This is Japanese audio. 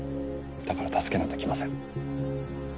だから助けなんて来ません。